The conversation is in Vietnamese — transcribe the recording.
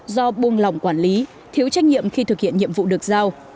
do bung lòng quản lý thiếu trách nhiệm khi thực hiện nhiệm vụ được giao